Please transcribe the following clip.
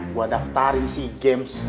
gua daftarin si games